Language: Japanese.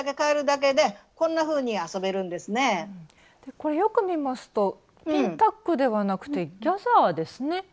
これよく見ますとピンタックではなくてギャザーですね。